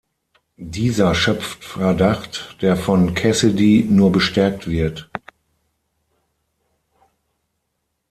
Dieser schöpft Verdacht, der von Cassidy nur bestärkt wird.